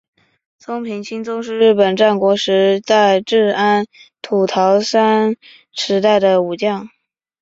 松平清宗是日本战国时代至安土桃山时代的武将。